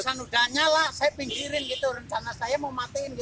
jurusan udah nyala saya pinggirin gitu rencana saya mau matiin